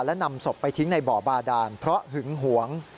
และนำศพไปทิ้งในบ่อบาดานเพราะหึงหวง